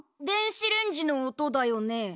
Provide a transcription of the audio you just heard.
電子レンジの音だよね？